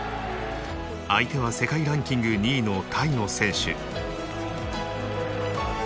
相手は世界ランキング２位のタイの選手